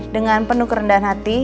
dengan penuh kerendahan hati